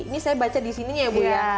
ini saya baca disininya ya bu ya